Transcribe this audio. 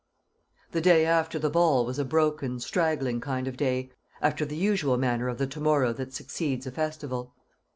The day after the ball was a broken straggling kind of day, after the usual manner of the to morrow that succeeds a festival.